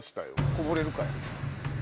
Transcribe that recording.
こぼれるかい。